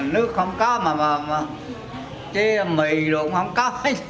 nước không có mà chế mì đồ cũng không có